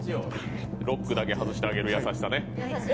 ロックだけ外してあげる、優しさね。